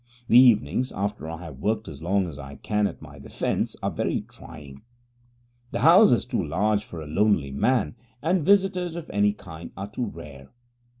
The evenings, after I have worked as long as I can at my Defence, are very trying. The house is too large for a lonely man, and visitors of any kind are too rare.